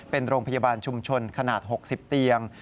เป็นโรงพยาบาลชุมชนขนาด๖๐เตียง